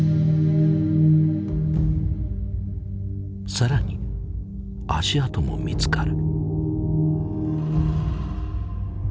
更に足跡も見つかる。